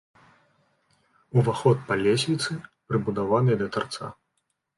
Уваход па лесвіцы, прыбудаванай да тарца.